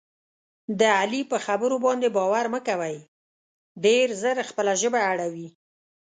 د علي په خبرو باندې باور مه کوئ. ډېر زر خپله ژبه اړوي.